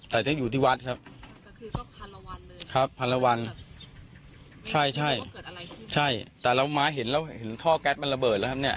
แต่ที่อยู่ที่วัดครับครับพันละวันใช่ใช่ใช่แต่เรามาเห็นแล้วเห็นท่อแก๊สมันระเบิดแล้วครับเนี้ย